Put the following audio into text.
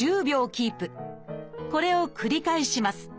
これを繰り返します。